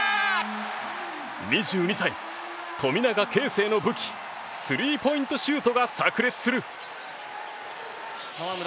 ２２歳、富永啓生の武器スリーポイントシュートが炸裂する。